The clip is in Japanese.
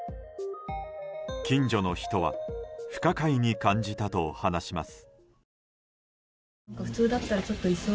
近所の人は不可解に感じたと話します。